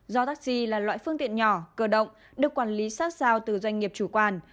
do taxi là loại phương tiện nhỏ cơ động được quản lý sát sao từ doanh nghiệp chủ quản